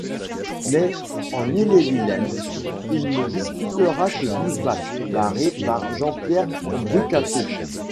Mais en Ille-et-Vilaine il ne disputera que douze matchs, barré par Jean-Pierre Brucato.